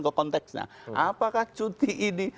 ke konteksnya apakah cuti ini